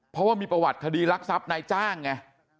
เพราะว่ามีประวัติคดีรักทรัพย์นายจ้างไง